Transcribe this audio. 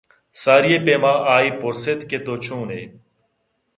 ساری ءِ پیما آئے پُرس اِت کہ تو چون ئِے؟